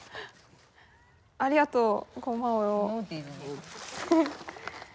ありがとう。